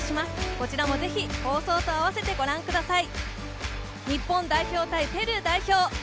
こちらもぜひ、放送とあわせてご確認ください。